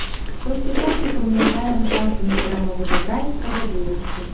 Толькі так мы памнажаем шансы на перамогу дабра і справядлівасці.